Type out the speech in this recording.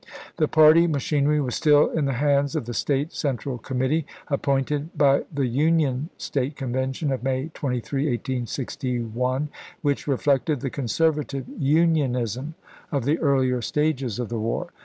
The party machinery was still in the hands of the State Central Committee, appointed by the Union State Convention of May 23, 1861, which reflected the conservative Unionism of the earlier stages of the war.